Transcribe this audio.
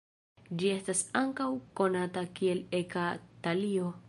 Ĝi estas ankaŭ konata kiel eka-talio.